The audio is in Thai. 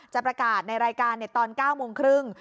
จะประกาศในรายการตอน๙โมงครึ่ง